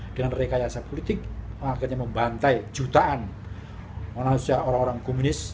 dengan rekayasa politik akhirnya membantai jutaan orang orang komunis